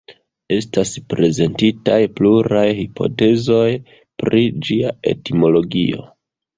Estas prezentitaj pluraj hipotezoj pri ĝia etimologio.